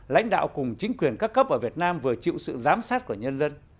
lãnh đạo cùng chính quyền các cấp ở việt nam vừa chịu sự giám sát của nhân dân